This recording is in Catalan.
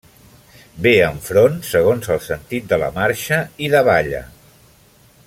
Ve enfront, segons el sentit de la marxa, i davalla.